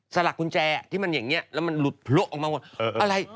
หลักกุญแจที่มันอย่างนี้แล้วมันหลุดโพะออกมาว่าอะไร